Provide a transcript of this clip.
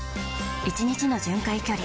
１日の巡回距離